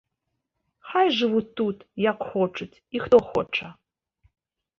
Хай жывуць тут, як хочуць і хто хоча.